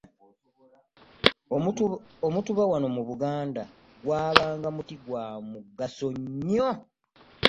Omutuba wano mu Buganda gwabanga muti gwa mugaso nnyo.